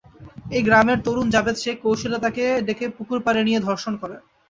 একই গ্রামের তরুণ জাবেদ শেখ কৌশলে তাঁকে ডেকে পুকুরপাড়ে নিয়ে ধর্ষণ করেন।